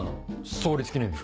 創立記念日。